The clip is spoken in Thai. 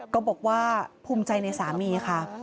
ก็บอกว่าภูมิใจในสามีค่ะ